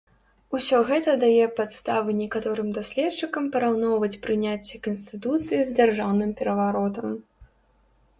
Усё гэта дае падставы некаторым даследчыкам параўноўваць прыняцце канстытуцыі з дзяржаўным пераваротам.